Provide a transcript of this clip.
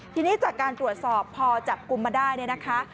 ทีนี้จากการตรวจสอบพอจับกลุ่มมาได้เนี่ยนะคะ